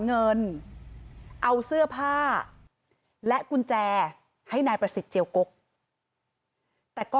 เงินเอาเสื้อผ้าและกุญแจให้นายประสิทธิ์เจียวกกแต่ก็